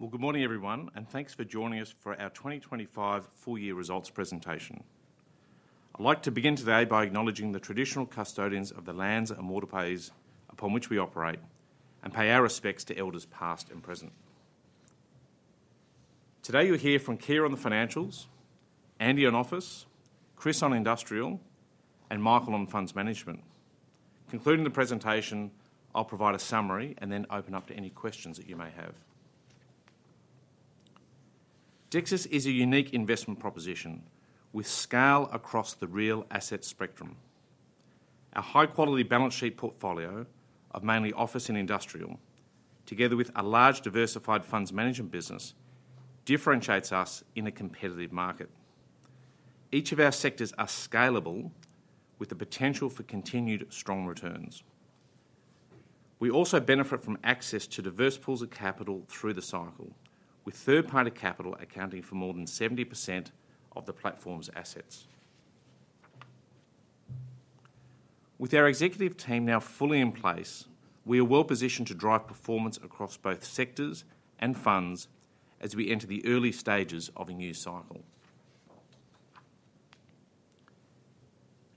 Good morning everyone, and thanks for joining us for our 2025 full-year results presentation. I'd like to begin today by acknowledging the traditional custodians of the lands and waterways upon which we operate, and pay our respects to elders past and present. Today you'll hear from Keir on the Financials, Andy on Office, Chris on Industrial, and Michael on Funds Management. Concluding the presentation, I'll provide a summary and then open up to any questions that you may have. Dexus is a unique investment proposition with scale across the real asset spectrum. Our high-quality balance sheet portfolio, of mainly Office and Industrial, together with a large diversified funds management business, differentiates us in a competitive market. Each of our sectors is scalable, with the potential for continued strong returns. We also benefit from access to diverse pools of capital through the cycle, with third-party capital accounting for more than 70% of the platform's assets. With our executive team now fully in place, we are well positioned to drive performance across both sectors and funds as we enter the early stages of a new cycle.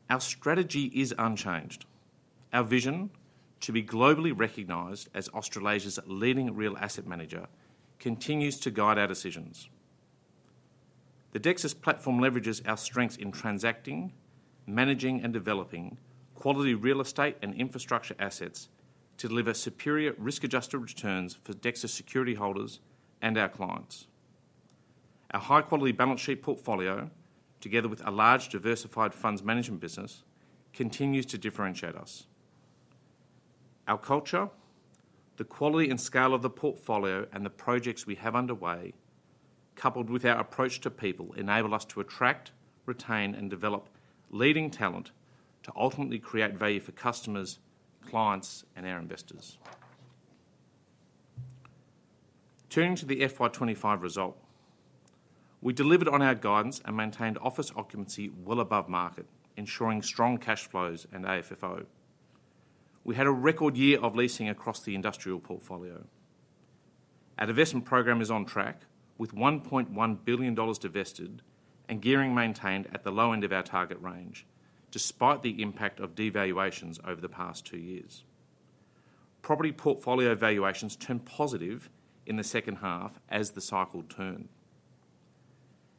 Our strategy is unchanged. Our vision to be globally recognized as Australasia's leading real asset manager continues to guide our decisions. The Dexus platform leverages our strengths in transacting, managing, and developing quality real estate and infrastructure assets to deliver superior risk-adjusted returns for Dexus security holders and our clients. Our high-quality balance sheet portfolio, together with a large diversified funds management business, continues to differentiate us. Our culture, the quality and scale of the portfolio, and the projects we have underway, coupled with our approach to people, enable us to attract, retain, and develop leading talent to ultimately create value for customers, clients, and our investors. Turning to the FY25 result, we delivered on our guidance and maintained office occupancy well above market, ensuring strong cash flows and AFFO. We had a record year of leasing across the industrial portfolio. Our divestment program is on track, with $1.1 billion divested and gearing maintained at the low end of our target range, despite the impact of devaluations over the past two years. Property portfolio valuations turned positive in the second half as the cycle turned.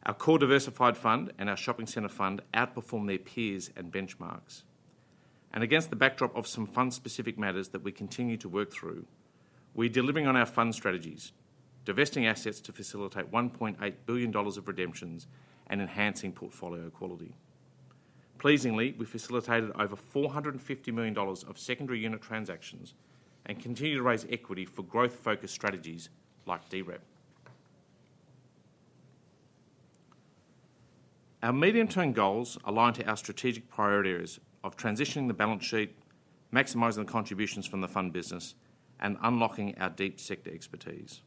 Our core diversified fund and our shopping center fund outperformed their peers and benchmarks. Against the backdrop of some fund-specific matters that we continue to work through, we're delivering on our fund strategies, divesting assets to facilitate $1.8 billion of redemptions and enhancing portfolio quality. Pleasingly, we facilitated over $450 million of secondary unit transactions and continue to raise equity for growth-focused strategies like DREP. Our medium-term goals align to our strategic priorities of transitioning the balance sheet, maximizing the contributions from the funds management business, and unlocking our deep sector expertise.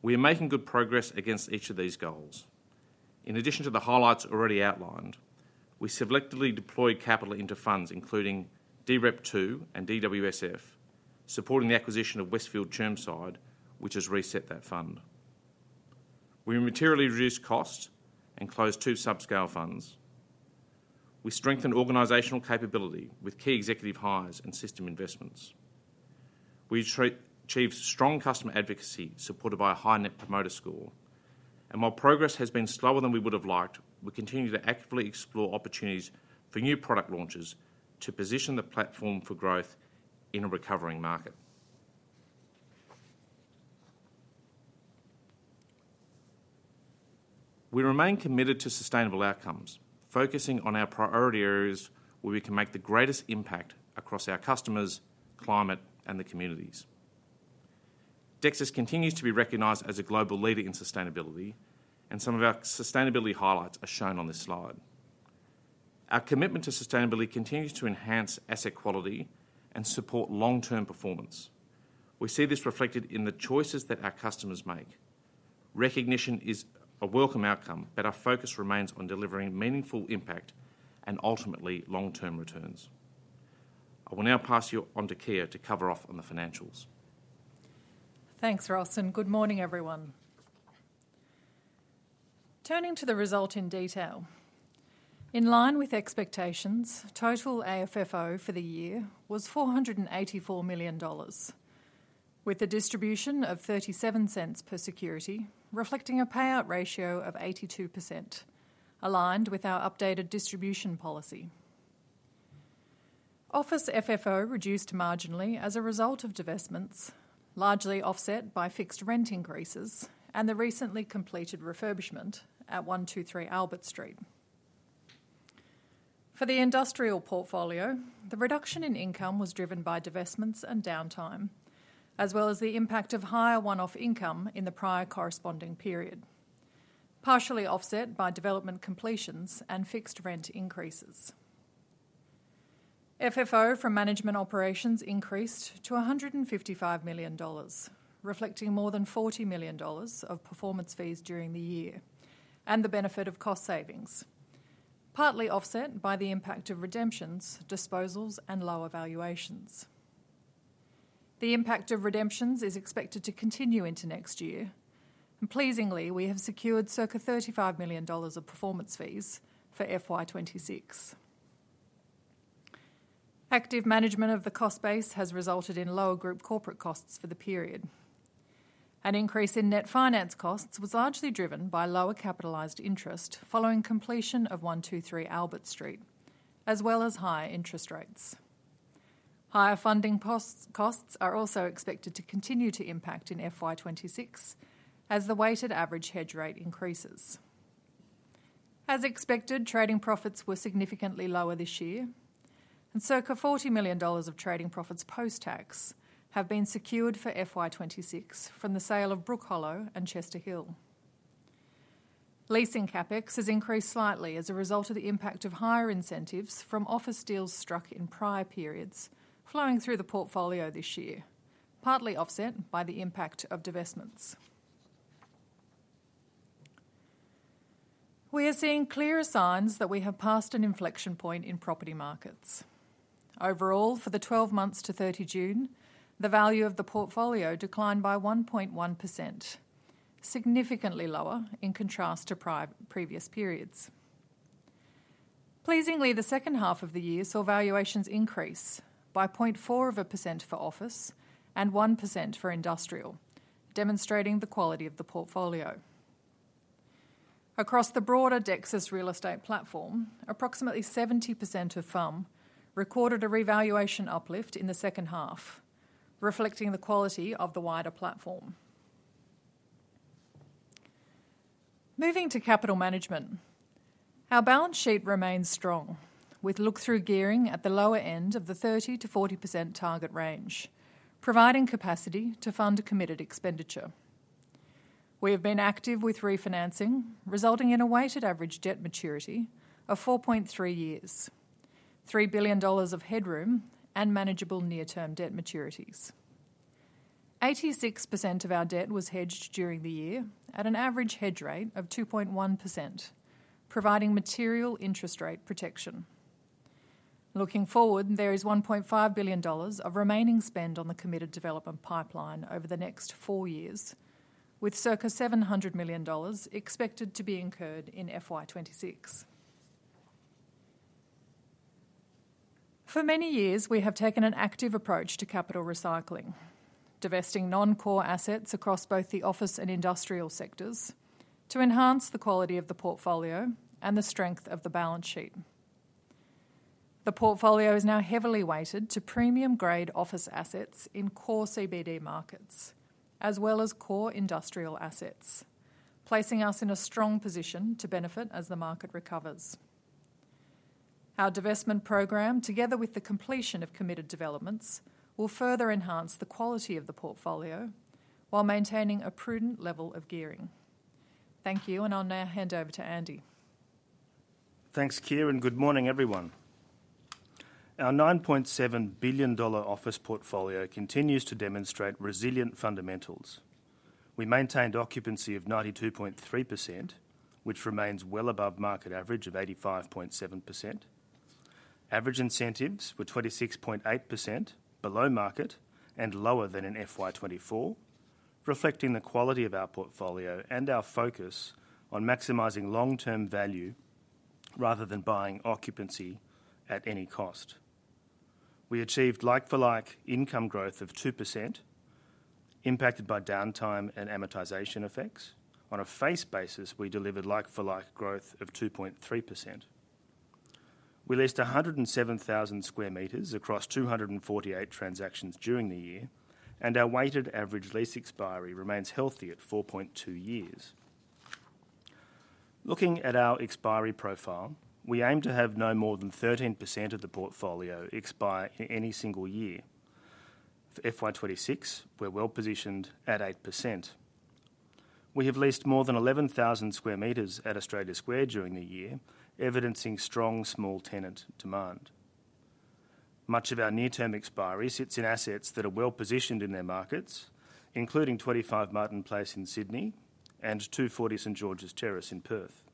We are making good progress against each of these goals. In addition to the highlights already outlined, we selectively deployed capital into funds including DREP2 and the DWSF supporting the acquisition of Westfield Chermside, which has reset that fund. We materially reduced costs and closed two sub-scale funds. We strengthened organizational capability with key executive hires and system investments. We achieved strong customer advocacy supported by a high net promoter score. While progress has been slower than we would have liked, we continue to actively explore opportunities for new product launches to position the platform for growth in a recovering market. We remain committed to sustainable outcomes, focusing on our priority areas where we can make the greatest impact across our customers, climate, and the communities. Dexus continues to be recognized as a global leader in sustainability, and some of our sustainability highlights are shown on this slide. Our commitment to sustainability continues to enhance asset quality and support long-term performance. We see this reflected in the choices that our customers make. Recognition is a welcome outcome, but our focus remains on delivering meaningful impact and ultimately long-term returns. I will now pass you on to Keir to cover off on the financials. Thanks, Ross and good morning everyone. Turning to the result in detail. In line with expectations, total AFFO for the year was $484 million, with a distribution of $0.37 per security, reflecting a payout ratio of 82%, aligned with our updated distribution policy. Office FFO reduced marginally as a result of divestments, largely offset by fixed rent increases and the recently completed refurbishment at 123 Albert Street. For the industrial portfolio, the reduction in income was driven by divestments and downtime, as well as the impact of higher one-off income in the prior corresponding period, partially offset by development completions and fixed rent increases. FFO from management operations increased to $155 million, reflecting more than $40 million of performance fees during the year and the benefit of cost savings, partly offset by the impact of redemptions, disposals, and lower valuations. The impact of redemptions is expected to continue into next year, and pleasingly, we have secured circa $35 million of performance fees for FY 2026. Active management of the cost base has resulted in lower group corporate costs for the period. An increase in net finance costs was largely driven by lower capitalized interest following completion of 123 Albert Street, as well as higher interest rates. Higher funding costs are also expected to continue to impact in FY 2026, as the weighted average hedge rate increases. As expected, trading profits were significantly lower this year, and circa $40 million of trading profits post-tax have been secured for FY 2026 from the sale of Brookhollow and Chester Hill. Leasing CapEx has increased slightly as a result of the impact of higher incentives from office deals struck in prior periods flowing through the portfolio this year, partly offset by the impact of divestments. We are seeing clearer signs that we have passed an inflection point in property markets. Overall, for the 12 months to 30 June, the value of the portfolio declined by 1.1%, significantly lower in contrast to previous periods. Pleasingly, the second half of the year saw valuations increase by 0.4% for Office and 1% for Industrial, demonstrating the quality of the portfolio. Across the broader Dexus real estate platform, approximately 70% of [platform] recorded a revaluation uplift in the second half, reflecting the quality of the wider platform. Moving to capital management, our balance sheet remains strong, with look-through gearing at the lower end of the 30%-40% target range, providing capacity to fund committed expenditure. We have been active with refinancing, resulting in a weighted average debt maturity of 4.3 years, $3 billion of headroom, and manageable near-term debt maturities. 86% of our debt was hedged during the year at an average hedge rate of 2.1%, providing material interest rate protection. Looking forward, there is $1.5 billion of remaining spend on the committed development pipeline over the next four years, with circa $700 million expected to be incurred in FY 2026. For many years, we have taken an active approach to capital recycling, divesting non-core assets across both the office and industrial sectors to enhance the quality of the portfolio and the strength of the balance sheet. The portfolio is now heavily weighted to premium-grade office assets in core CBD markets, as well as core industrial assets, placing us in a strong position to benefit as the market recovers. Our divestment program, together with the completion of committed developments, will further enhance the quality of the portfolio while maintaining a prudent level of gearing. Thank you, and I'll now hand over to Andy. Thanks, Keir, and good morning everyone. Our $9.7 billion office portfolio continues to demonstrate resilient fundamentals. We maintained occupancy of 92.3%, which remains well above market average of 85.7%. Average incentives were 26.8%, below market and lower than in FY 2024, reflecting the quality of our portfolio and our focus on maximizing long-term value rather than buying occupancy at any cost. We achieved like-for-like income growth of 2%, impacted by downtime and amortization effects. On a face basis, we delivered like-for-like growth of 2.3%. We leased 107,000 sq m across 248 transactions during the year, and our weighted average lease expiry remains healthy at 4.2 years. Looking at our expiry profile, we aim to have no more than 13% of the portfolio expire in any single year. For FY 2026, we're well positioned at 8%. We have leased more than 11,000 sq m at Australia Square during the year, evidencing strong small tenant demand. Much of our near-term expiry sits in assets that are well positioned in their markets, including 25 Martin Place in Sydney and 240 St Georges Terrace in Perth.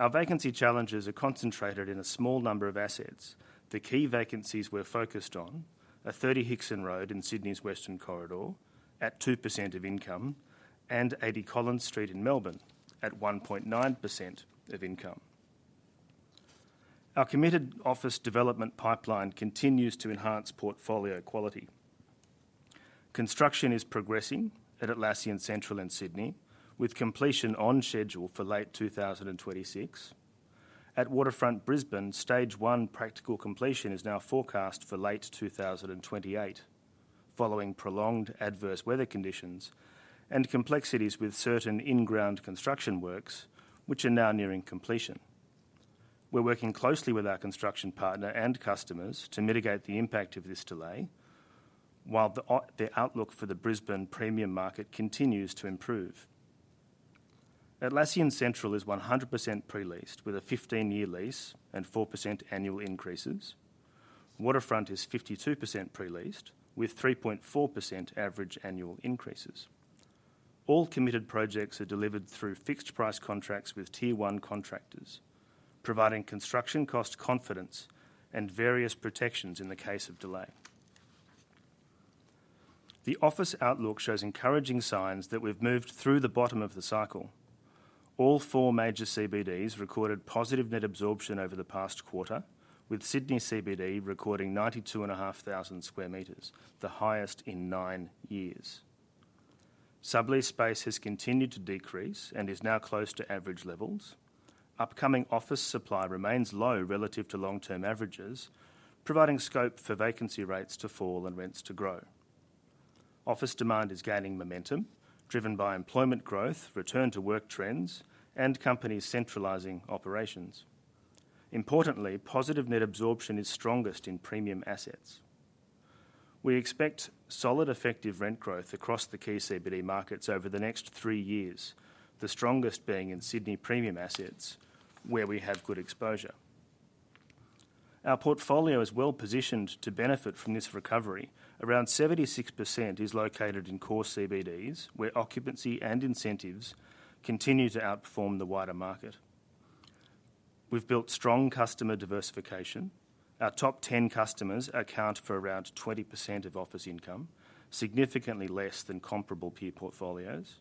Our vacancy challenges are concentrated in a small number of assets. The key vacancies we're focused on are 30 Hickson Road in Sydney's Western Corridor at 2% of income and 80 Collins St in Melbourne at 1.9% of income. Our committed office development pipeline continues to enhance portfolio quality. Construction is progressing at Atlassian Central in Sydney, with completion on schedule for late 2026. At Waterfront Brisbane, Stage 1 practical completion is now forecast for late 2028, following prolonged adverse weather conditions and complexities with certain in-ground construction works, which are now nearing completion. We're working closely with our construction partner and customers to mitigate the impact of this delay, while the outlook for the Brisbane premium market continues to improve. Atlassian Central is 100% pre-leased with a 15-year lease and 4% annual increases. Waterfront is 52% pre-leased with 3.4% average annual increases. All committed projects are delivered through fixed price contracts with Tier 1 contractors, providing construction cost confidence and various protections in the case of delay. The office outlook shows encouraging signs that we've moved through the bottom of the cycle. All four major CBDs recorded positive net absorption over the past quarter, with Sydney CBD recording 92,500 sq m, the highest in nine years. Sublease space has continued to decrease and is now close to average levels. Upcoming office supply remains low relative to long-term averages, providing scope for vacancy rates to fall and rents to grow. Office demand is gaining momentum, driven by employment growth, return-to-work trends, and companies centralizing operations. Importantly, positive net absorption is strongest in premium assets. We expect solid, effective rent growth across the key CBD markets over the next three years, the strongest being in Sydney premium assets, where we have good exposure. Our portfolio is well positioned to benefit from this recovery. Around 76% is located in core CBDs, where occupancy and incentives continue to outperform the wider market. We've built strong customer diversification. Our top 10 customers account for around 20% of office income, significantly less than comparable peer portfolios.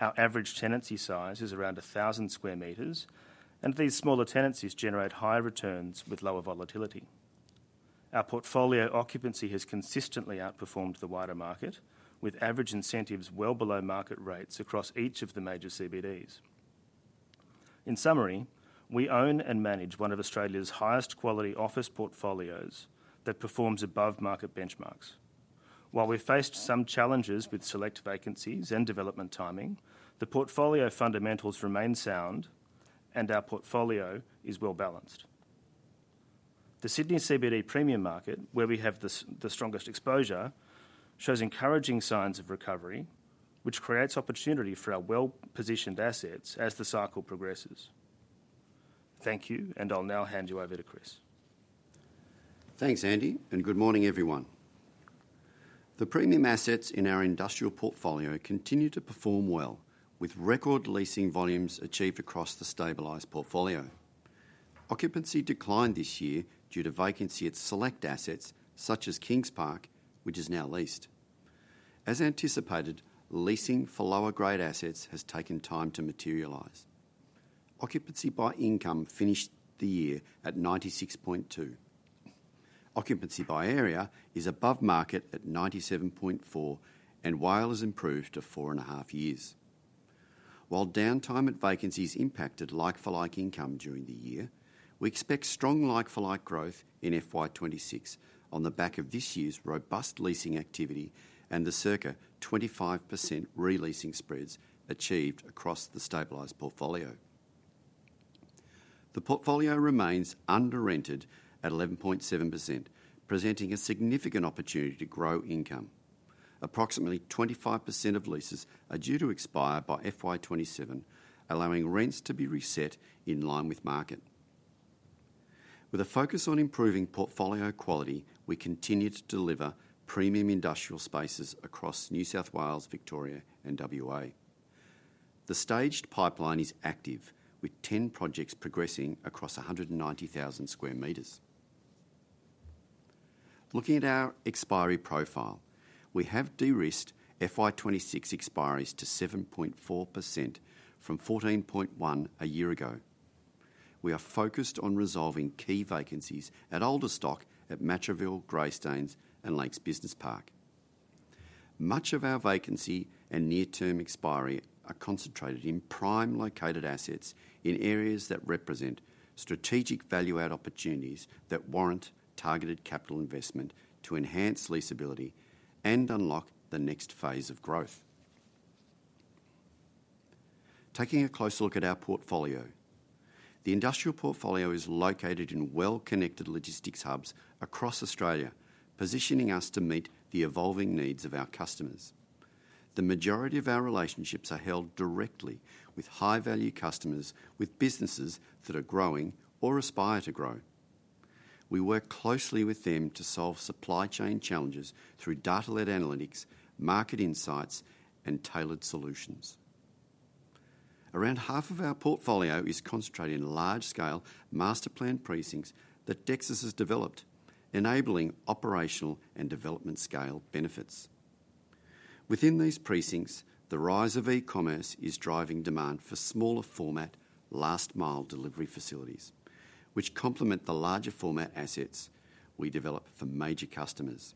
Our average tenancy size is around 1,000 sq m, and these smaller tenancies generate higher returns with lower volatility. Our portfolio occupancy has consistently outperformed the wider market, with average incentives well below market rates across each of the major CBDs. In summary, we own and manage one of Australia's highest quality office portfolios that performs above market benchmarks. While we've faced some challenges with select vacancies and development timing, the portfolio fundamentals remain sound, and our portfolio is well balanced. The Sydney CBD premium market, where we have the strongest exposure, shows encouraging signs of recovery, which creates opportunity for our well-positioned assets as the cycle progresses. Thank you, and I'll now hand you over to Chris. Thanks, Andy, and good morning everyone. The premium assets in our industrial portfolio continue to perform well, with record leasing volumes achieved across the stabilized portfolio. Occupancy declined this year due to vacancy at select assets, such as Kings Park, which is now leased. As anticipated, leasing for lower grade assets has taken time to materialize. Occupancy by income finished the year at 96.2%. Occupancy by area is above market at 97.4%, and while it has improved to four and a half years. While downtime at vacancies impacted like-for-like income during the year, we expect strong like-for-like growth in FY 2026 on the back of this year's robust leasing activity and the circa 25% re-leasing spreads achieved across the stabilized portfolio. The portfolio remains under-rented at 11.7%, presenting a significant opportunity to grow income. Approximately 25% of leases are due to expire by FY 2027, allowing rents to be reset in line with market. With a focus on improving portfolio quality, we continue to deliver premium industrial spaces across New South Wales, Victoria, and W.A.. The staged pipeline is active, with 10 projects progressing across 190,000 sq m. Looking at our expiry profile, we have de-risked FY 2026 expiry to 7.4% from 14.1% a year ago. We are focused on resolving key vacancies at older stock at Matraville, Greystanes, and Lakes Business Park. Much of our vacancy and near-term expiry are concentrated in prime located assets in areas that represent strategic value-add opportunities that warrant targeted capital investment to enhance leasability and unlock the next phase of growth. Taking a close look at our portfolio, the industrial portfolio is located in well-connected logistics hubs across Australia, positioning us to meet the evolving needs of our customers. The majority of our relationships are held directly with high-value customers, with businesses that are growing or aspire to grow. We work closely with them to solve supply chain challenges through data-led analytics, market insights, and tailored solutions. Around half of our portfolio is concentrated in large-scale master plan precincts that Dexus has developed, enabling operational and development scale benefits. Within these precincts, the rise of e-commerce is driving demand for smaller format last-mile delivery facilities, which complement the larger format assets we develop for major customers.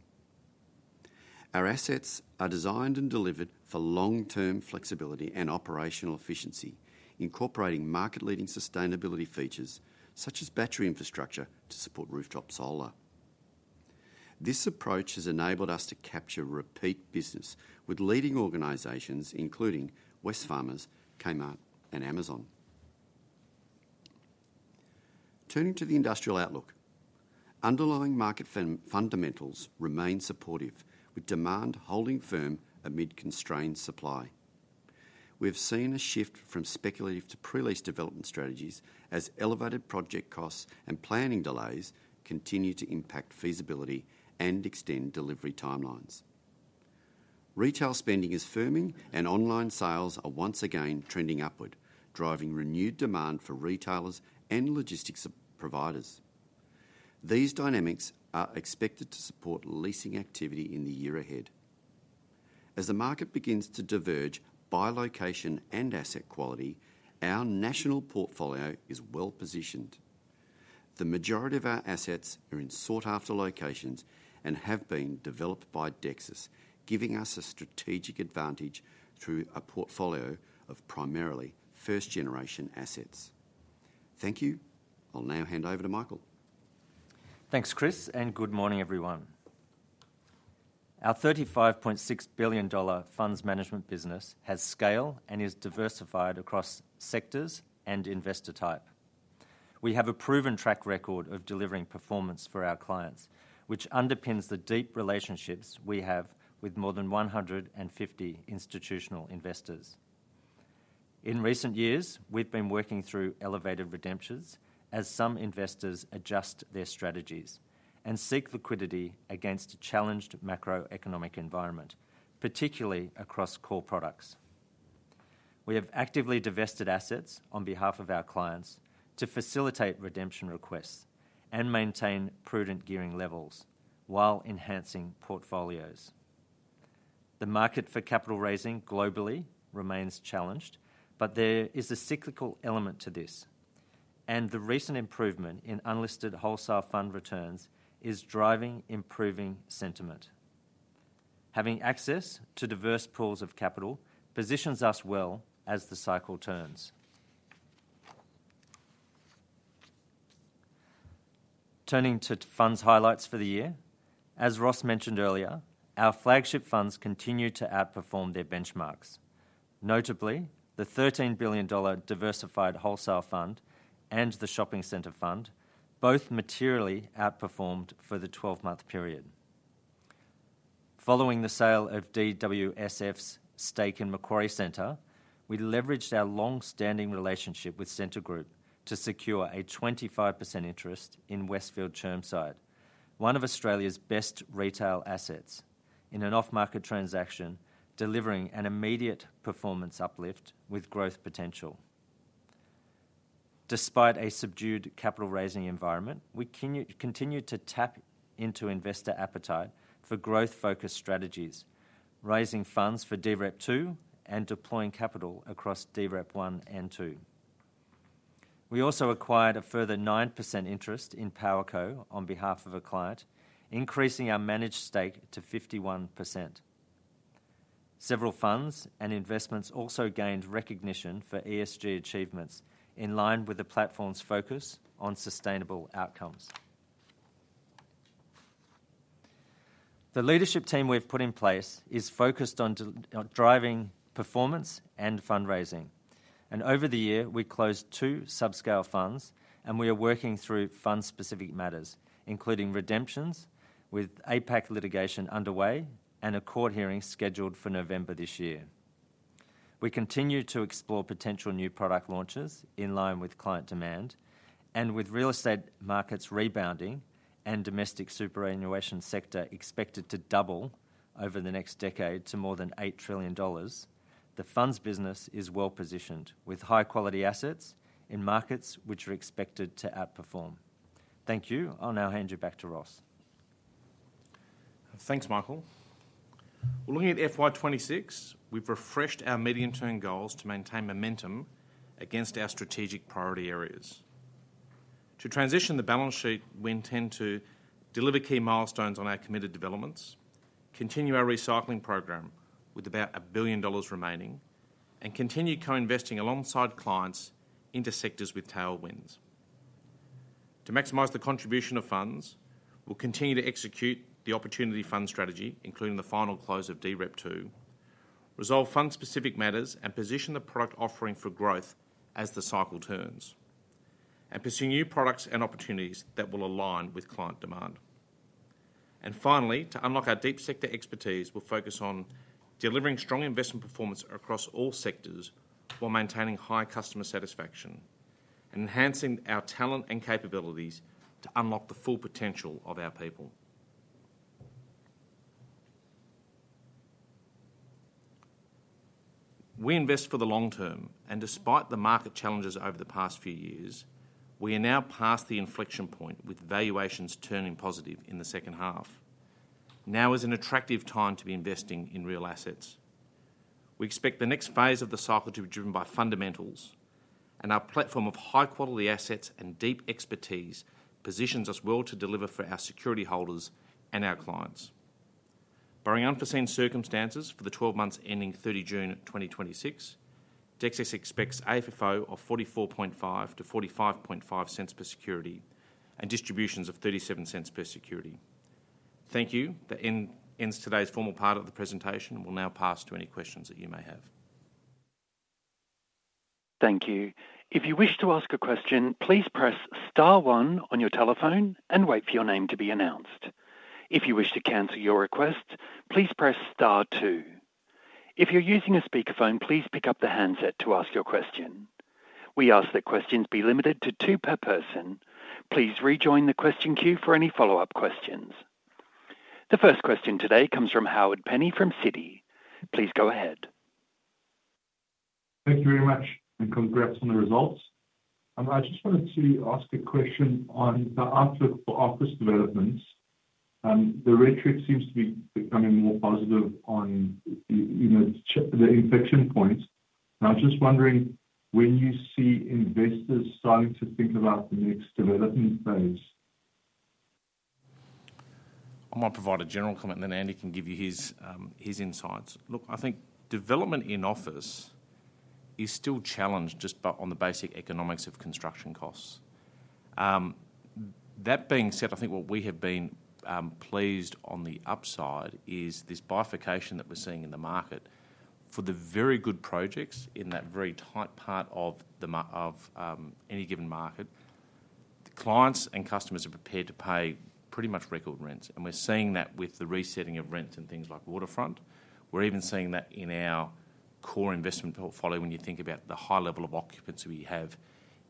Our assets are designed and delivered for long-term flexibility and operational efficiency, incorporating market-leading sustainability features such as battery infrastructure to support rooftop solar. This approach has enabled us to capture repeat business with leading organizations, including Wesfarmers, Kmart, and Amazon. Turning to the industrial outlook, underlying market fundamentals remain supportive, with demand holding firm amid constrained supply. We've seen a shift from speculative to pre-leasing development strategies as elevated project costs and planning delays continue to impact feasibility and extend delivery timelines. Retail spending is firming and online sales are once again trending upward, driving renewed demand for retailers and logistics providers. These dynamics are expected to support leasing activity in the year ahead. As the market begins to diverge by location and asset quality, our national portfolio is well positioned. The majority of our assets are in sought-after locations and have been developed by Dexus, giving us a strategic advantage through a portfolio of primarily first-generation assets. Thank you. I'll now hand over to Michael. Thanks, Chris, and good morning everyone. Our $35.6 billion funds management business has scale and is diversified across sectors and investor type. We have a proven track record of delivering performance for our clients, which underpins the deep relationships we have with more than 150 institutional investors. In recent years, we've been working through elevated redemptions as some investors adjust their strategies and seek liquidity against a challenged macroeconomic environment, particularly across core products. We have actively divested assets on behalf of our clients to facilitate redemption requests and maintain prudent gearing levels while enhancing portfolios. The market for capital raising globally remains challenged, but there is a cyclical element to this, and the recent improvement in unlisted wholesale fund returns is driving improving sentiment. Having access to diverse pools of capital positions us well as the cycle turns. Turning to funds highlights for the year, as Ross mentioned earlier, our flagship funds continue to outperform their benchmarks. Notably, the $13 billion diversified wholesale fund and the shopping centre fund both materially outperformed for the 12-month period. Following the sale of DWSF's stake in Macquarie Centre, we leveraged our long-standing relationship with Scentre Group to secure a 25% interest in Westfield Chermside, one of Australia's best retail assets, in an off-market transaction, delivering an immediate performance uplift with growth potential. Despite a subdued capital raising environment, we continue to tap into investor appetite for growth-focused strategies, raising funds for DREP2 and deploying capital across DREP1 and 2. We also acquired a further 9% interest in Powerco on behalf of a client, increasing our managed stake to 51%. Several funds and investments also gained recognition for ESG achievements in line with the platform's focus on sustainable outcomes. The leadership team we've put in place is focused on driving performance and fundraising, and over the year, we closed two sub-scale funds, and we are working through fund-specific matters, including redemptions, with APAC litigation underway and a court hearing scheduled for November this year. We continue to explore potential new product launches in line with client demand, and with real estate markets rebounding and the domestic superannuation sector expected to double over the next decade to more than $8 trillion, the funds business is well positioned with high-quality assets in markets which are expected to outperform. Thank you. I'll now hand you back to Ross. Thanks, Michael. Looking at FY 2026, we've refreshed our medium-term goals to maintain momentum against our strategic priority areas. To transition the balance sheet, we intend to deliver key milestones on our committed developments, continue our recycling program with about $1 billion remaining, and continue co-investing alongside clients into sectors with tail winds. To maximize the contribution of funds, we'll continue to execute the opportunity fund strategy, including the final close of DREP2, resolve fund-specific matters, and position the product offering for growth as the cycle turns, and pursue new products and opportunities that will align with client demand. Finally, to unlock our deep sector expertise, we'll focus on delivering strong investment performance across all sectors while maintaining high customer satisfaction and enhancing our talent and capabilities to unlock the full potential of our people. We invest for the long term, and despite the market challenges over the past few years, we are now past the inflection point with valuations turning positive in the second half. Now is an attractive time to be investing in real assets. We expect the next phase of the cycle to be driven by fundamentals, and our platform of high-quality assets and deep expertise positions us well to deliver for our security holders and our clients. Bearing unforeseen circumstances for the 12 months ending 30 June 2026, Dexus expects AFFO of $44.5-$45.5 per security and distributions of $0.37 per security. Thank you. That ends today's formal part of the presentation. We'll now pass to any questions that you may have. Thank you. If you wish to ask a question, please press star one on your telephone and wait for your name to be announced. If you wish to cancel your request, please press star two. If you're using a speaker phone, please pick up the handset to ask your question. We ask that questions be limited to two per person. Please rejoin the question queue for any follow-up questions. The first question today comes from Howard Penny from Citi. Please go ahead. Thank you very much, and congrats on the results. I just wanted to ask a question on the office developments. The retreat seems to be becoming more positive on the inflection points. I'm just wondering when you see investors starting to think about the next development phase. I might provide a general comment, and then Andy can give you his insights. Look, I think development in office is still challenged just on the basic economics of construction costs. That being said, I think what we have been pleased on the upside is this bifurcation that we're seeing in the market. For the very good projects in that very tight part of any given market, clients and customers are prepared to pay pretty much record rents, and we're seeing that with the resetting of rents and things like Waterfront. We're even seeing that in our core investment portfolio when you think about the high level of occupancy we have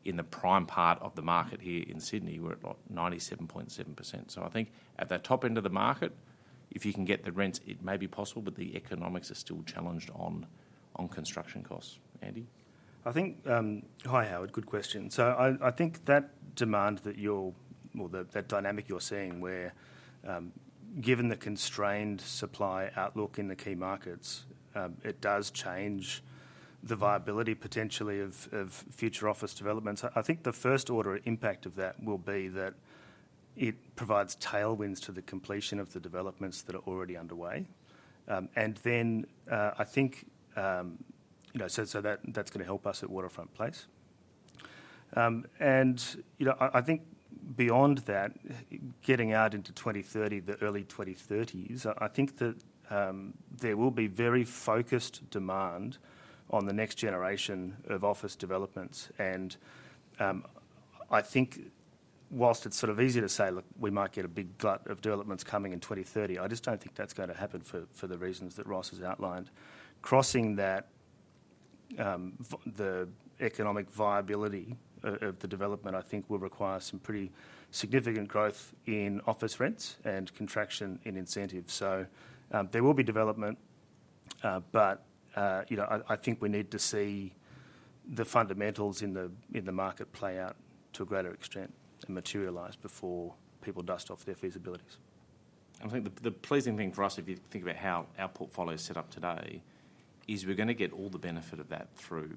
in the prime part of the market here in Sydney. We're at like 97.7%. I think at the top end of the market, if you can get the rents, it may be possible, but the economics are still challenged on construction costs. Andy? I think. Hi Howard, good question. I think that demand that you're or that dynamic you're seeing where, given the constrained supply outlook in the key markets, it does change the viability potentially of future office developments. I think the first order of impact of that will be that it provides tailwinds to the completion of the developments that are already underway. I think that's going to help us at Waterfront Place. I think beyond that, getting out into 2030, the early 2030s, there will be very focused demand on the next generation of office developments. I think whilst it's sort of easy to say, look, we might get a big glut of developments coming in 2030, I just don't think that's going to happen for the reasons that Ross has outlined. Crossing that, the economic viability of the development, I think, will require some pretty significant growth in office rents and contraction in incentives. There will be development, but I think we need to see the fundamentals in the market play out to a greater extent and materialize before people dust off their feasibilities. I think the pleasing thing for us, if you think about how our portfolio is set up today, is we're going to get all the benefit of that through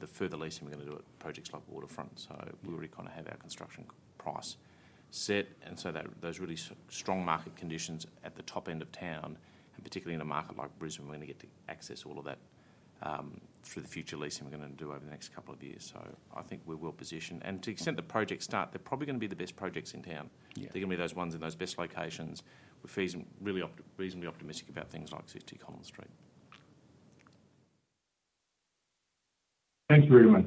the further leasing we're going to do at projects like Waterfront Brisbane. We already kind of have our construction price set, and those really strong market conditions at the top end of town, particularly in a market like Brisbane, we're going to get to access all of that for the future leasing we're going to do over the next couple of years. I think we're well positioned, and to the extent the projects start, they're probably going to be the best projects in town. They're going to be those ones in those best locations. We're really reasonably optimistic about things like 60 Collins Street. Thank you very much.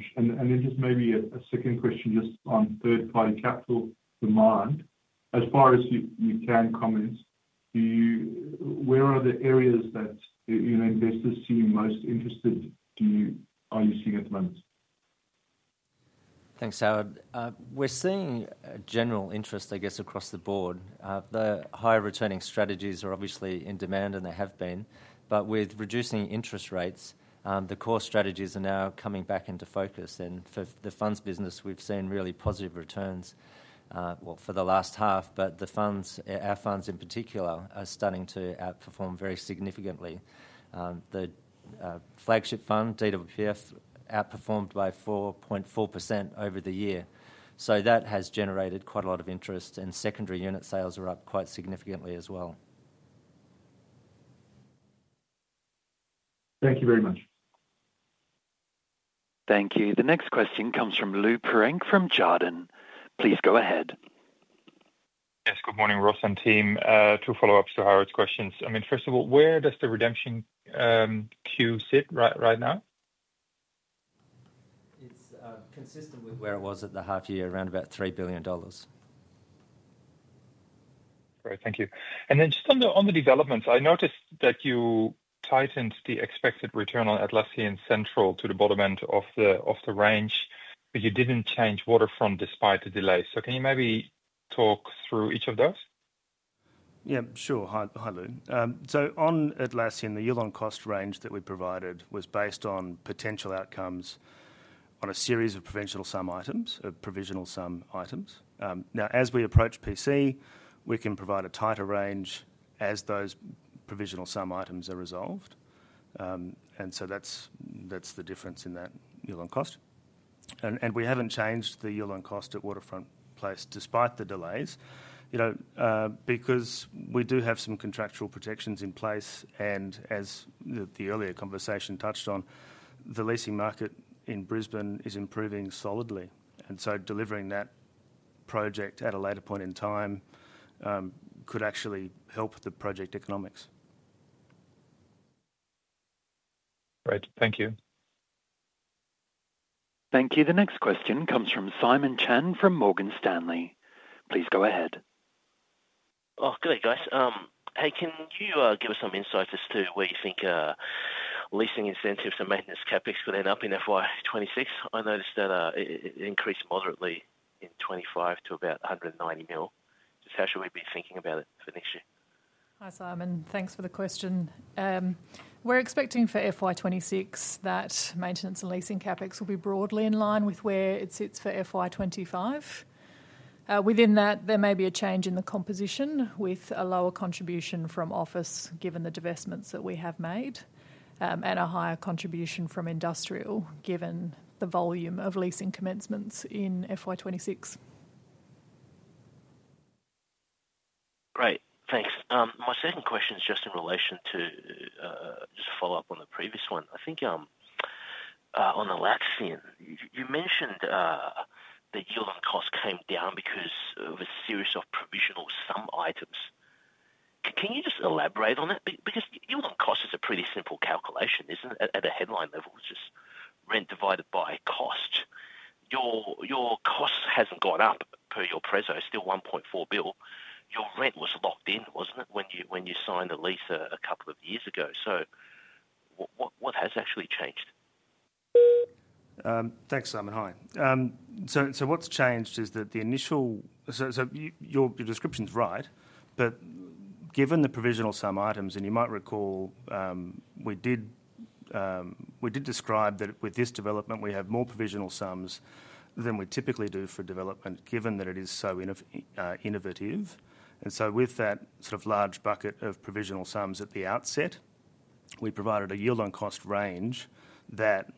Maybe a second question just on third-party capital demand. As far as you can comment, where are the areas that investors seem most interested? Are you seeing that at the moment? Thanks, Howard. We're seeing general interest, I guess, across the board. The higher returning strategies are obviously in demand, they have been, but with reducing interest rates, the core strategies are now coming back into focus. For the funds business, we've seen really positive returns for the last half, and the funds, our funds in particular, are starting to outperform very significantly. The flagship fund, DWSF, outperformed by 4.4% over the year. That has generated quite a lot of interest, and secondary unit sales are up quite significantly as well. Thank you very much. Thank you. The next question comes from Lou Pirenc from Jarden. Please go ahead. Yes, good morning, Ross and team. Two follow-ups to Howard's questions. First of all, where does the redemption queue sit right now? It's consistent with where it was at the half year, around about $3 billion. Great, thank you. On the developments, I noticed that you tightened the expected return on Atlassian Central to the bottom end of the range, but you didn't change Waterfront Brisbane despite the delay. Can you maybe talk through each of those? Yeah, sure, hi Lou. On Atlassian, the yield on cost range that we provided was based on potential outcomes on a series of provisional sum items. Now, as we approach PC, we can provide a tighter range as those provisional sum items are resolved. That's the difference in that yield on cost. We haven't changed the yield on cost at Waterfront Brisbane despite the delays, because we do have some contractual protections in place. As the earlier conversation touched on, the leasing market in Brisbane is improving solidly. Delivering that project at a later point in time could actually help the project economics. Great, thank you. Thank you. The next question comes from Simon Chan from Morgan Stanley. Please go ahead. Good day, guys. Hey, can you give us some insight as to where you think leasing incentives and maintenance CapEx would end up in FY 2026? I noticed that it increased moderately in 2025 to about $190 million. Just how should we be thinking about it for next year? Hi Simon, thanks for the question. We're expecting for FY 2026 that maintenance and leasing CapEx will be broadly in line with where it sits for FY 2025. Within that, there may be a change in the composition with a lower contribution from office given the divestments that we have made and a higher contribution from industrial given the volume of leasing commencements in FY 2026. Great, thanks. My second question is just in relation to just a follow-up on the previous one. I think on Atlassian, you mentioned the yield on cost came down because of a series of provisional sum items. Can you just elaborate on it? Because yield on cost is a pretty simple calculation, isn't it? At a headline level, it's just rent divided by cost. Your cost hasn't gone up per your prezo, still $1.4 billion. Your rent was locked in, wasn't it, when you signed a lease a couple of years ago? What has actually changed? Thanks, Simon. Hi. What's changed is that the initial, your description's right, but given the provisional sum items, and you might recall, we did describe that with this development, we have more provisional sums than we typically do for development, given that it is so innovative. With that sort of large bucket of provisional sums at the outset, we provided a yield on cost range that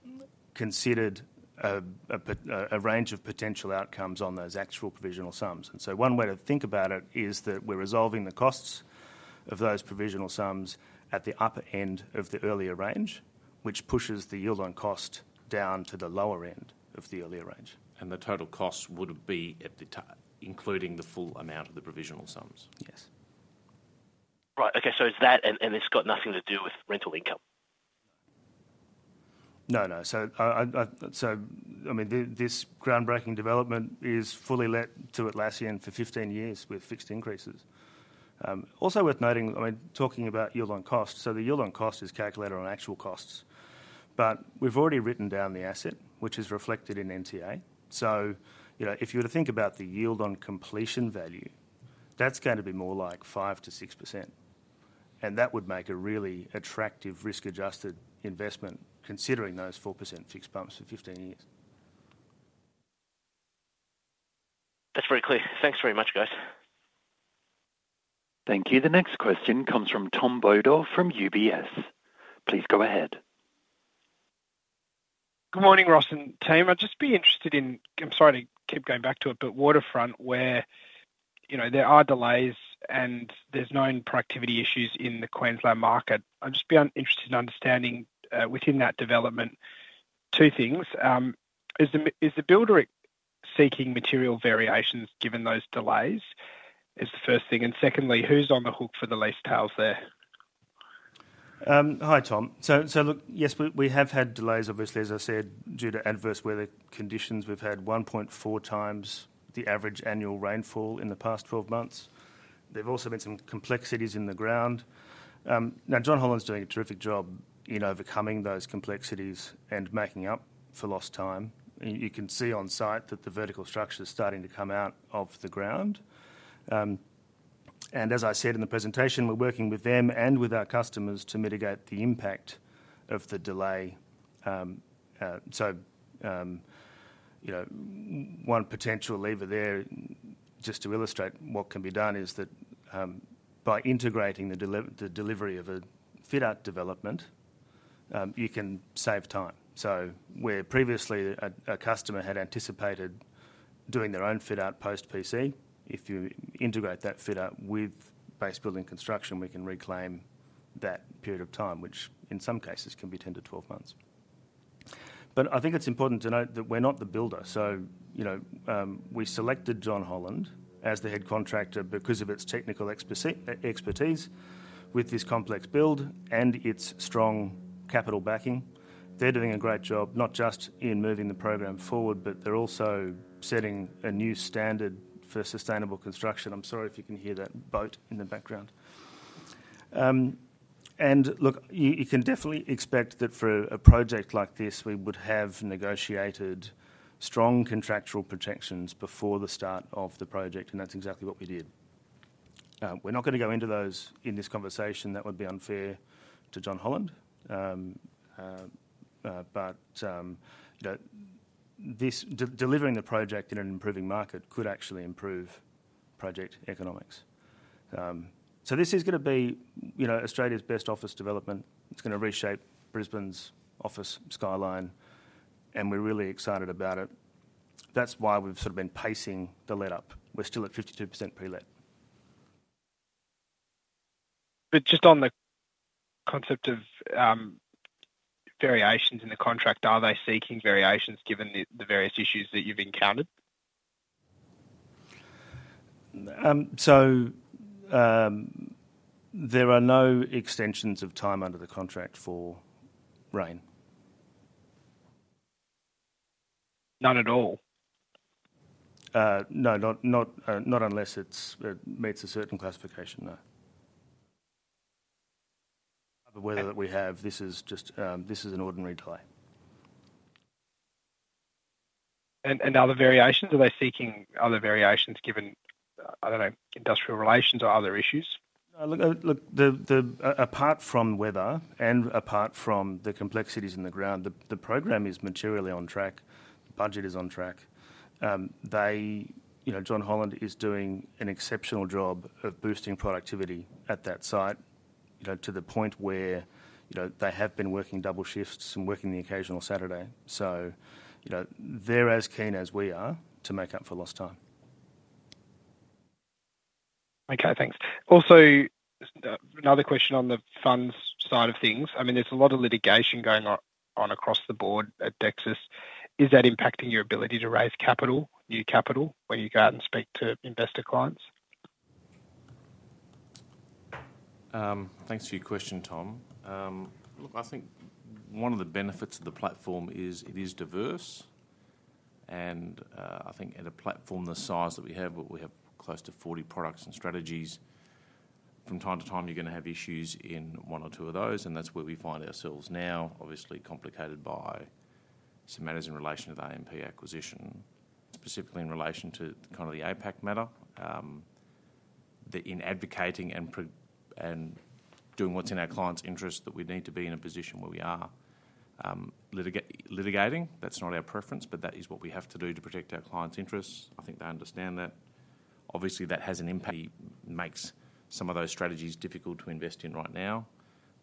considered a range of potential outcomes on those actual provisional sums. One way to think about it is that we're resolving the costs of those provisional sums at the upper end of the earlier range, which pushes the yield on cost down to the lower end of the earlier range. The total cost would be at the top, including the full amount of the provisional sums. Yes. Right, okay, is that, and it's got nothing to do with rental income? No, this groundbreaking development is fully let to Atlassian for 15 years with fixed increases. Also worth noting, talking about yield on cost, the yield on cost is calculated on actual costs, but we've already written down the asset, which is reflected in NTA. If you were to think about the yield on completion value, that's going to be more like 5%-6%. That would make a really attractive risk-adjusted investment, considering those 4% fixed bumps for 15 years. That's very clear. Thanks very much, guys. Thank you. The next question comes from Tom Bodor from UBS. Please go ahead. Good morning, Ross and team. I'd just be interested in, I'm sorry to keep going back to it, but Waterfront, where there are delays and there's known productivity issues in the Queensland market. I'd just be interested in understanding within that development two things. Is the builder seeking material variations given those delays, is the first thing? Secondly, who's on the hook for the lay sales there? Hi Tom. Yes, we have had delays, obviously, as I said, due to adverse weather conditions. We've had 1.4x the average annual rainfall in the past 12 months. There've also been some complexities in the ground. John Holland's doing a terrific job in overcoming those complexities and making up for lost time. You can see on site that the vertical structure is starting to come out of the ground. As I said in the presentation, we're working with them and with our customers to mitigate the impact of the delay. One potential lever there, just to illustrate what can be done, is that by integrating the delivery of a fit-out development, you can save time. Where previously a customer had anticipated doing their own fit-out post-PC, if you integrate that fit-out with base building construction, we can reclaim that period of time, which in some cases can be 10 to 12 months. I think it's important to note that we're not the builder. We selected John Holland as the head contractor because of its technical expertise with this complex build and its strong capital backing. They're doing a great job, not just in moving the program forward, but they're also setting a new standard for sustainable construction. I'm sorry if you can hear that boat in the background. You can definitely expect that for a project like this, we would have negotiated strong contractual protections before the start of the project, and that's exactly what we did. We're not going to go into those in this conversation, that would be unfair to John Holland. Delivering the project in an improving market could actually improve project economics. This is going to be Australia's best office development. It's going to reshape Brisbane's office skyline, and we're really excited about it. That's why we've sort of been pacing the let-up. We're still at 52% pre-let. On the concept of variations in the contract, are they seeking variations given the various issues that you've encountered? There are no extensions of time under the contract for rain. None at all? No, not unless it meets a certain classification, no. Other weather that we have, this is just an ordinary delay. Are they seeking other variations given, I don't know, industrial relations or other issues? No, apart from weather and apart from the complexities in the ground, the program is materially on track. The budget is on track. John Holland is doing an exceptional job of boosting productivity at that site, to the point where they have been working double shifts and working the occasional Saturday. They're as keen as we are to make up for lost time. Okay, thanks. Also, another question on the funds side of things. There's a lot of litigation going on across the board at Dexus. Is that impacting your ability to raise new capital when you go out and speak to investor clients? Thanks for your question, Tom. Look, I think one of the benefits of the platform is it is diverse. I think at a platform the size that we have, we have close to 40 products and strategies. From time to time, you're going to have issues in one or two of those, and that's where we find ourselves now, obviously complicated by some matters in relation to the AMP acquisition, particularly in relation to the APAC matter. In advocating and doing what's in our client's interests, we need to be in a position where we are litigating. That's not our preference, but that is what we have to do to protect our client's interests. I think they understand that. Obviously, that has an impact. It makes some of those strategies difficult to invest in right now.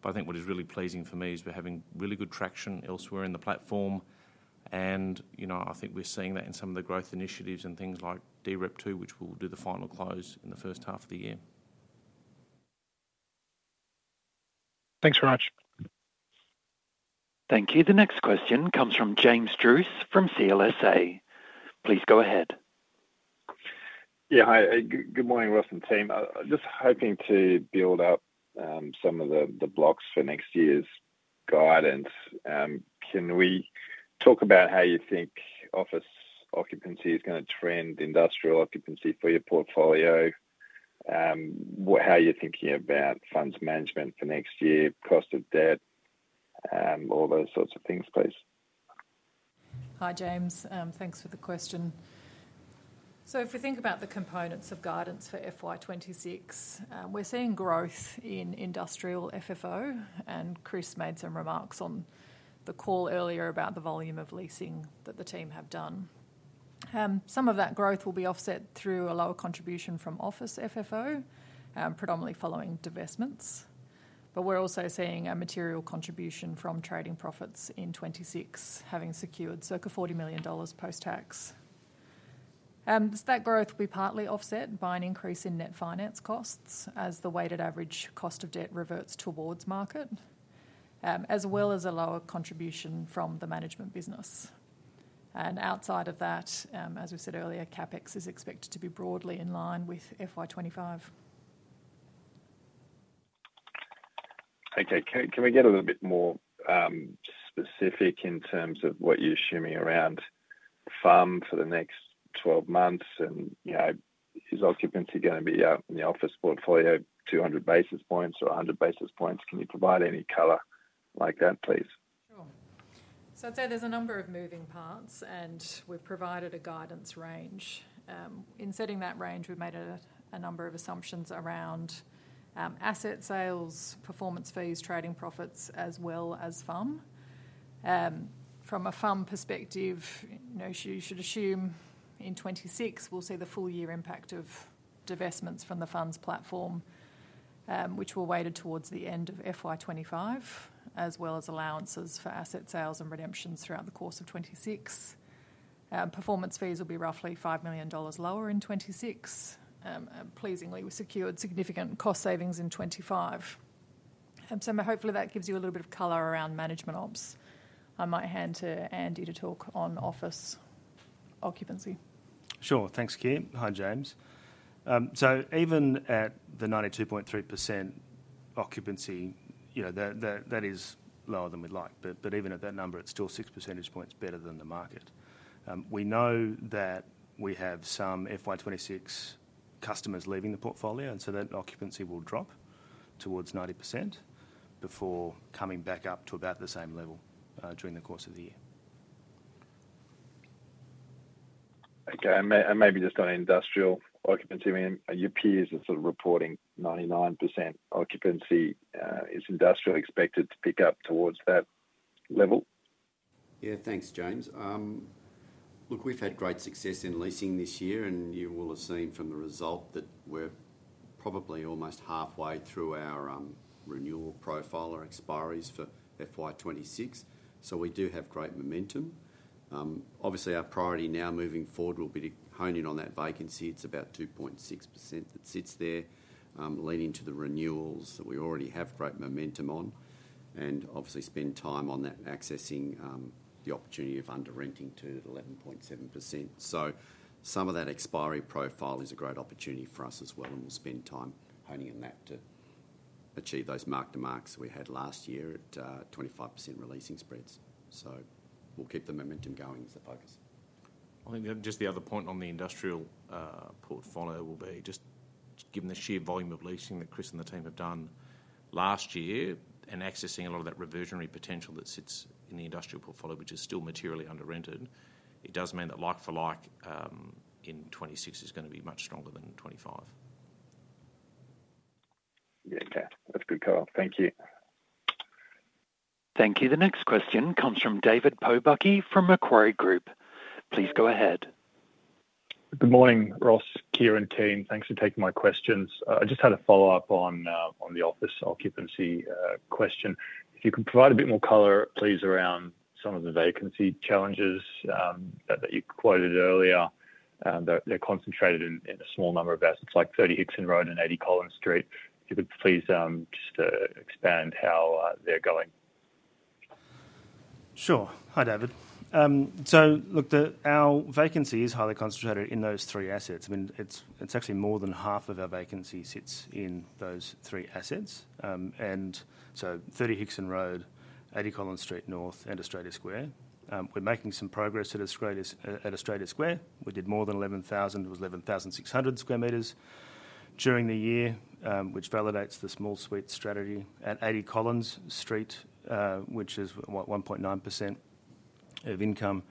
What is really pleasing for me is we're having really good traction elsewhere in the platform. I think we're seeing that in some of the growth initiatives and things like DREP2, which will do the final close in the first half of the year. Thanks very much. Thank you. The next question comes from James Druce from CLSA. Please go ahead. Yeah, hi, good morning, Ross and team. I'm just hoping to build up some of the blocks for next year's guidance. Can we talk about how you think office occupancy is going to trend, industrial occupancy for your portfolio? How are you thinking about funds management for next year, cost of debt, and all those sorts of things, please? Hi James, thanks for the question. If we think about the components of guidance for FY 2026, we're seeing growth in industrial FFO, and Chris made some remarks on the call earlier about the volume of leasing that the team have done. Some of that growth will be offset through a lower contribution from office FFO, predominantly following divestments. We're also seeing a material contribution from trading profits in 2026, having secured circa $40 million post-tax. That growth will be partly offset by an increase in net finance costs as the weighted average cost of debt reverts towards market, as well as a lower contribution from the management business. Outside of that, as we said earlier, CapEx is expected to be broadly in line with FY 2025. Okay, can we get a little bit more specific in terms of what you're assuming around the fund for the next 12 months? Is occupancy going to be in the office portfolio 200 basis points or 100 basis points? Can you provide any color like that, please? There are a number of moving parts, and we've provided a guidance range. In setting that range, we've made a number of assumptions around asset sales, performance fees, trading profits, as well as fund. From a fund perspective, you should assume in 2026, we'll see the full year impact of divestments from the fund's platform, which were weighted towards the end of FY 2025, as well as allowances for asset sales and redemptions throughout the course of 2026. Performance fees will be roughly $5 million lower in 2026. Pleasingly, we secured significant cost savings in 2025. Hopefully that gives you a little bit of color around management ops. I might hand to Andy to talk on office occupancy. Sure, thanks, Keir. Hi James. Even at the 92.3% occupancy, you know, that is lower than we'd like, but even at that number, it's still six percentage points better than the market. We know that we have some FY 2026 customers leaving the portfolio, and that occupancy will drop towards 90% before coming back up to about the same level during the course of the year. Okay, maybe just on industrial occupancy, your peers are sort of reporting 99% occupancy. Is industrial expected to pick up towards that level? Yeah, thanks James. Look, we've had great success in leasing this year, and you will have seen from the result that we're probably almost halfway through our renewal profile or expiry for FY 2026. We do have great momentum. Obviously, our priority now moving forward will be to hone in on that vacancy. It's about 2.6% that sits there, leading to the renewals that we already have great momentum on, and obviously spend time on that accessing the opportunity of underrenting to 11.7%. Some of that expiry profile is a great opportunity for us as well, and we'll spend time honing in that to achieve those mark-to-mark we had last year at 25% releasing spreads. We'll keep the momentum going as a focus. I think just the other point on the industrial portfolio will be just given the sheer volume of leasing that Chris and the team have done last year and accessing a lot of that reversionary potential that sits in the industrial portfolio, which is still materially underrented. It does mean that like for like in 2026 is going to be much stronger than 2025. Yeah, that's a good call. Thank you. Thank you. The next question comes from David Pobucky from Macquarie Group. Please go ahead. Good morning, Ross, Keir and team. Thanks for taking my questions. I just had a follow-up on the office occupancy question. If you can provide a bit more color, please, around some of the vacancy challenges that you quoted earlier. They're concentrated in a small number of assets like 30 Hickson Road and 80 Collins Street. If you could please just expand how they're going. Sure. Hi David. Our vacancy is highly concentrated in those three assets. It's actually more than half of our vacancy sits in those three assets: 30 Hickson Road, 80 Collins Street North, and Australia Square. We're making some progress at Australia Square. We did more than 11,000, it was 11,600 sq m during the year, which validates the small suite strategy. At 80 Collins Street, which is 1.9% of income,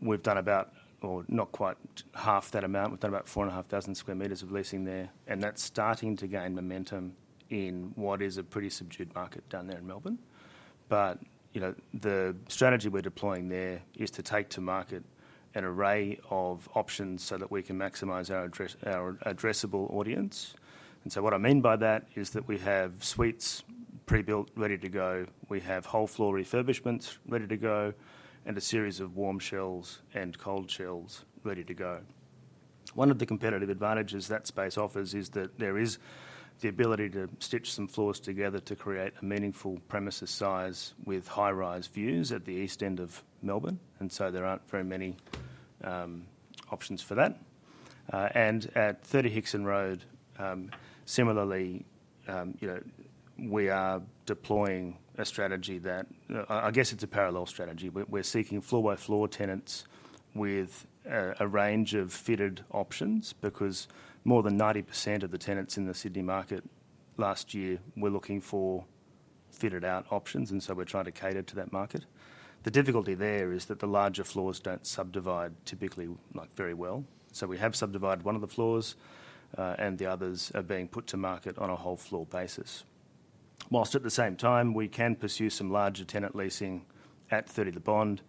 we've done about, or not quite half that amount. We've done about 4,500 sq m of leasing there, and that's starting to gain momentum in what is a pretty subdued market down there in Melbourne. The strategy we're deploying there is to take to market an array of options so that we can maximize our addressable audience. What I mean by that is that we have suites pre-built, ready to go. We have whole floor refurbishments ready to go, and a series of warm shells and cold shells ready to go. One of the competitive advantages that space offers is that there is the ability to stitch some floors together to create a meaningful premises size with high-rise views at the east end of Melbourne. There aren't very many options for that. At 30 Hickson Road, similarly, we are deploying a strategy that, I guess it's a parallel strategy. We're seeking floor-by-floor tenants with a range of fitted options because more than 90% of the tenants in the Sydney market last year were looking for fitted-out options. We're trying to cater to that market. The difficulty there is that the larger floors don't subdivide typically very well. We have subdivided one of the floors, and the others are being put to market on a whole floor basis. Whilst at the same time, we can pursue some larger tenant leasing at 30 The Bond.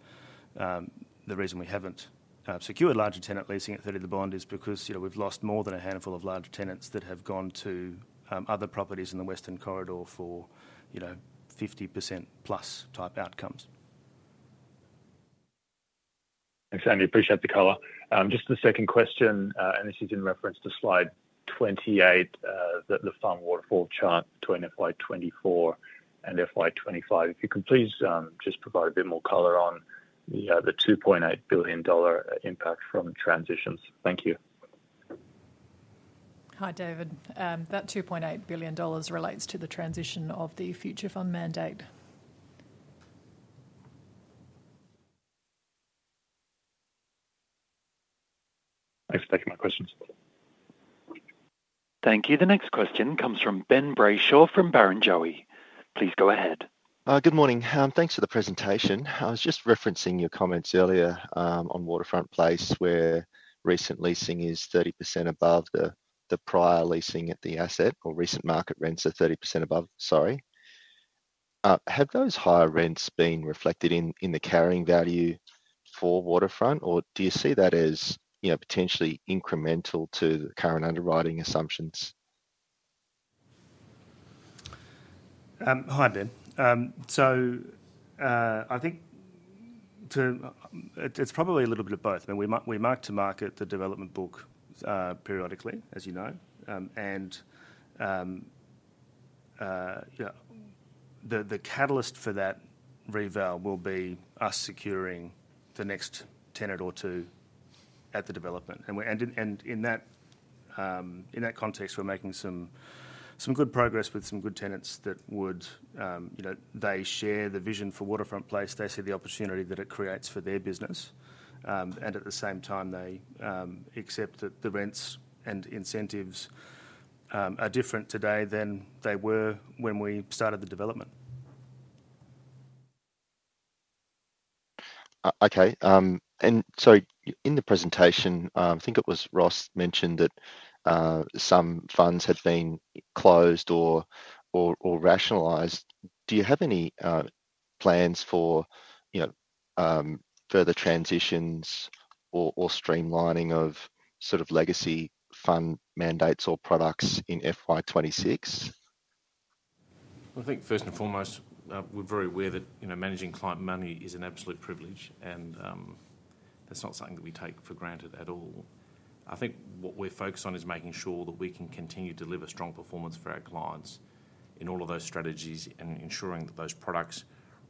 The reason we haven't secured larger tenant leasing at 30 The Bond is because we've lost more than a handful of large tenants that have gone to other properties in the Western Corridor for 50%+ type outcomes. Thanks, Andy. Appreciate the color. Just for the second question, and this is in reference to slide 28, the FUM Waterfall chart between FY 2024 and FY 2025. If you can please just provide a bit more color on the $2.8 billion impact from transitions. Thank you. Hi David. That $2.8 billion relates to the transition of the Future Fund mandate. Thanks for taking my questions. Thank you. The next question comes from Ben Brayshaw from Barrenjoey. Please go ahead. Good morning. Thanks for the presentation. I was just referencing your comments earlier on Waterfront Brisbane, where recent leasing is 30% above the prior leasing at the asset, or recent market rents are 30% above, sorry. Have those higher rents been reflected in the carrying value for Waterfront, or do you see that as potentially incremental to the current underwriting assumptions? Hi Ben. I think it's probably a little bit of both. We mark to market the development book periodically, as you know. The catalyst for that reval will be us securing the next tenant or two at the development. In that context, we're making some good progress with some good tenants that, you know, share the vision for Waterfront Brisbane. They see the opportunity that it creates for their business. At the same time, they accept that the rents and incentives are different today than they were when we started the development. Okay. In the presentation, I think it was Ross mentioned that some funds had been closed or rationalized. Do you have any plans for further transitions or streamlining of sort of legacy fund mandates or products in FY 2026? I think first and foremost, we're very aware that, you know, managing client money is an absolute privilege, and that's not something that we take for granted at all. I think what we're focused on is making sure that we can continue to deliver strong performance for our clients in all of those strategies and ensuring that those products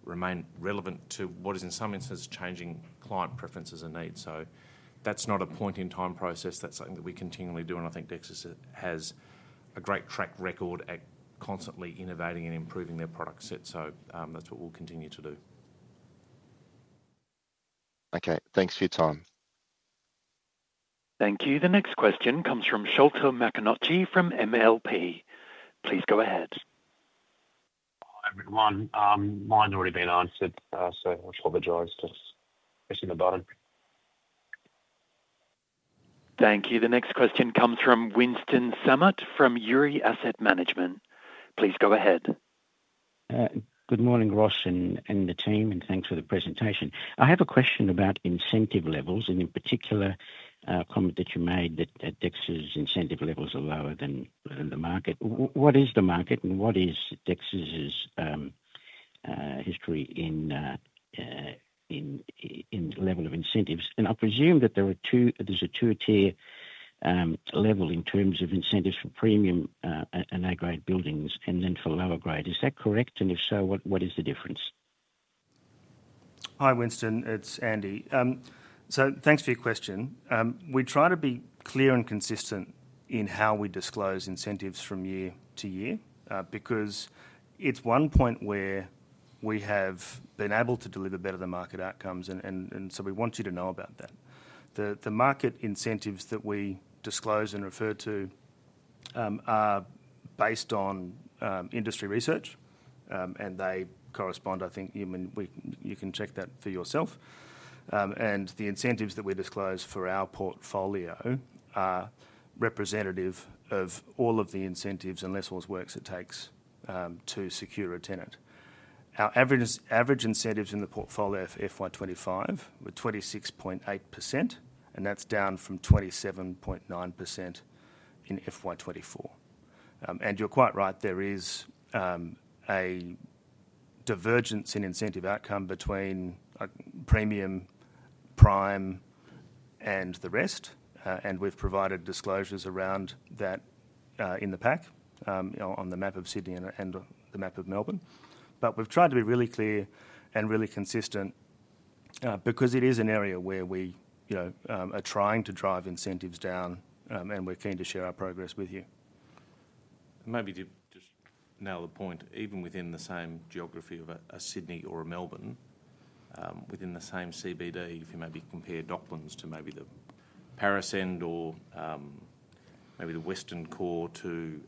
remain relevant to what is, in some instances, changing client preferences and needs. That's not a point-in-time process. That's something that we continually do, and I think Dexus has a great track record at constantly innovating and improving their product set. That's what we'll continue to do. Okay, thanks for your time. Thank you. The next question comes from Sholto Maconochie from MLP. Please go ahead. I have one. Mine's already been answered, so I apologize for just pushing the button. Thank you. The next question comes from Winston Sammut from Euree Asset Management. Please go ahead. Good morning, Ross and the team, and thanks for the presentation. I have a question about incentive levels, and in particular a comment that you made that Dexus's incentive levels are lower than the market. What is the market and what is Dexus's history in level of incentives? I presume that there's a two-tier level in terms of incentives for premium and A-grade buildings and then for lower grade. Is that correct? If so, what is the difference? Hi Winston, it's Andy. Thanks for your question. We try to be clear and consistent in how we disclose incentives from year to year because it's one point where we have been able to deliver better than market outcomes, and we want you to know about that. The market incentives that we disclose and refer to are based on industry research, and they correspond, I think, you can check that for yourself. The incentives that we disclose for our portfolio are representative of all of the incentives and lessor's work it takes to secure a tenant. Our average incentives in the portfolio for FY 2025 were 26.8%, and that's down from 27.9% in FY 2024. You're quite right, there is a divergence in incentive outcome between premium, prime, and the rest. We've provided disclosures around that in the pack on the map of Sydney and the map of Melbourne. We've tried to be really clear and really consistent because it is an area where we are trying to drive incentives down, and we're keen to share our progress with you. Maybe to nail the point, even within the same geography of a Sydney or a Melbourne, within the same CBD, if you maybe compare Docklands to maybe the Paris end or maybe the Western core to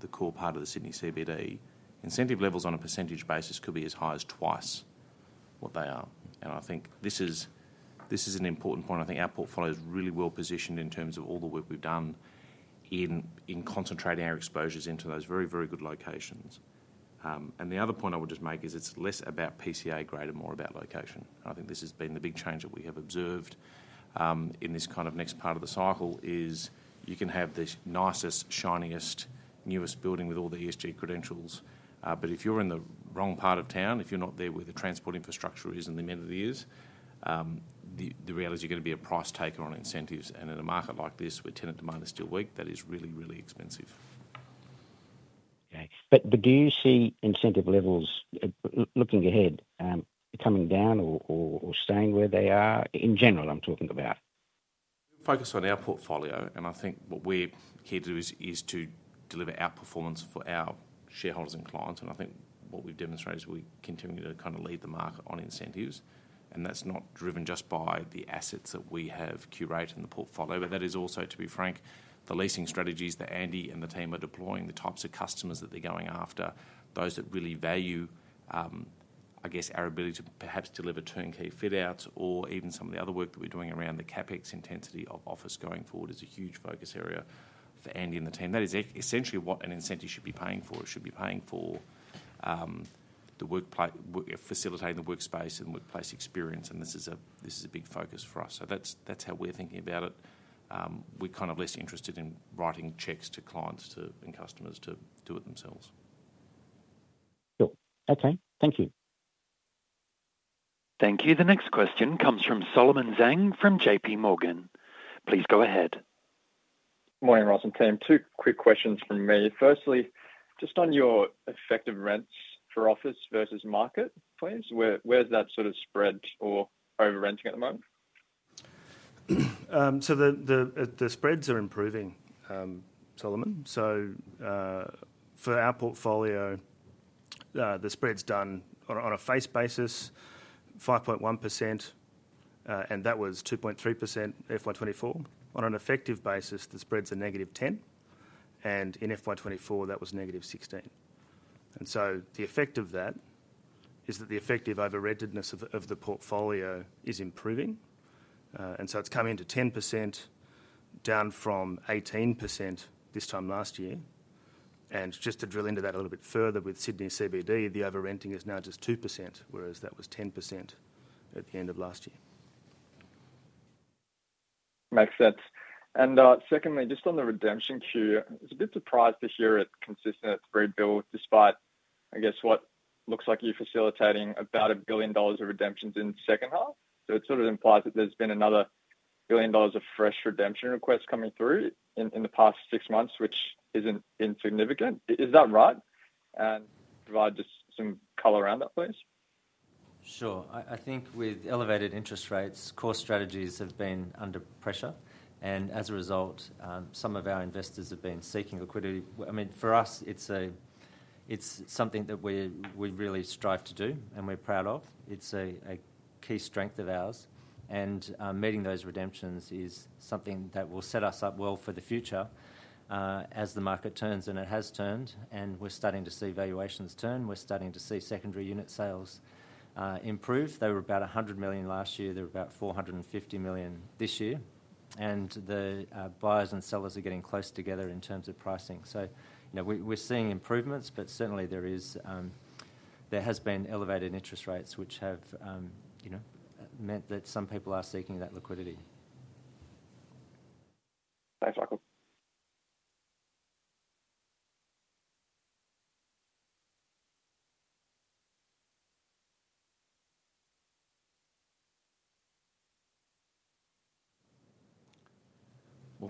the core part of the Sydney CBD, incentive levels on a percentage basis could be as high as twice what they are. I think this is an important point. I think our portfolio is really well positioned in terms of all the work we've done in concentrating our exposures into those very, very good locations. The other point I would just make is it's less about PCA grade, more about location. I think this has been the big change that we have observed in this kind of next part of the cycle. You can have the nicest, shiniest, newest building with all the ESG credentials, but if you're in the wrong part of town, if you're not there where the transport infrastructure is and the amenity is, the reality is you're going to be a price taker on incentives. In a market like this where tenant demand is still weak, that is really, really expensive. Okay, do you see incentive levels looking ahead coming down or staying where they are? In general, I'm talking about. Focus on our portfolio, and I think what we're here to do is to deliver our performance for our shareholders and clients. I think what we've demonstrated is we continue to kind of lead the market on incentives. That's not driven just by the assets that we have curated in the portfolio, but that is also, to be frank, the leasing strategies that Andy and the team are deploying, the types of customers that they're going after, those that really value, I guess, our ability to perhaps deliver turnkey fit-outs or even some of the other work that we're doing around the CapEx intensity of office going forward is a huge focus area for Andy and the team. That is essentially what an incentive should be paying for. It should be paying for facilitating the workspace and workplace experience, and this is a big focus for us. That's how we're thinking about it. We're kind of less interested in writing checks to clients and customers to do it themselves. Okay, thank you. Thank you. The next question comes from Solomon Zhang from JPMorgan. Please go ahead. Morning, Ross and team. Two quick questions from me. Firstly, just on your effective rents for office versus market, please. Where's that sort of spread or over-renting at the moment? The spreads are improving, Solomon. For our portfolio, the spread's done on a face basis, 5.1%, and that was 2.3% in FY 2024. On an effective basis, the spreads are -10%, and in FY 2024, that was -16%. The effect of that is that the effective over-rentedness of the portfolio is improving. It's come into 10%, down from 18% this time last year. Just to drill into that a little bit further with Sydney CBD, the over-renting is now just 2%, whereas that was 10% at the end of last year. Makes sense. Secondly, just on the redemption queue, I was a bit surprised to hear it consistent at this rebuild despite, I guess, what looks like you're facilitating about $1 billion of redemptions in the second half. It sort of implies that there's been another $1 billion of fresh redemption requests coming through in the past six months, which isn't insignificant. Is that right? Provide just some color around that, please. Sure. I think with elevated interest rates, core strategies have been under pressure, and as a result, some of our investors have been seeking liquidity. For us, it's something that we really strive to do and we're proud of. It's a key strength of ours, and meeting those redemptions is something that will set us up well for the future as the market turns, and it has turned, and we're starting to see valuations turn. We're starting to see secondary unit transactions improve. They were about $100 million last year, they're about $450 million this year. The buyers and sellers are getting close together in terms of pricing. We're seeing improvements, but certainly there have been elevated interest rates, which have meant that some people are seeking that liquidity. Thanks, Michael.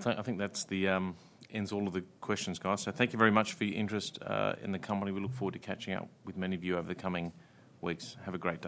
I think that ends all of the questions, guys. Thank you very much for your interest in the company. We look forward to catching up with many of you over the coming weeks. Have a great day.